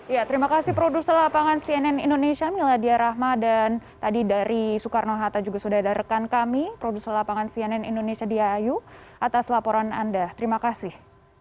ya terima kasih produser lapangan cnn indonesia miladia rahma dan tadi dari soekarno hatta juga sudah ada rekan kami produser lapangan cnn indonesia dia ayu atas laporan anda terima kasih